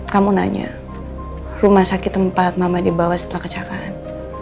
kamu nanya rumah sakit tempat mama dibawa setelah kecelakaan